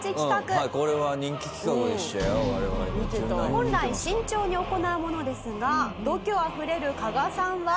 「本来慎重に行うものですが度胸あふれる加賀さんは」